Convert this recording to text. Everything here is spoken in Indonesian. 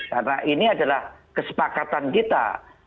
karena ini adalah kesepakatan kita